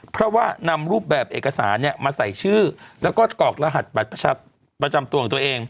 เพราะว่านำรูปแบบเอกสารมาใส่ชื่อแล้วก็กรอกรหัสบัตรประจำตัวของตัวเอง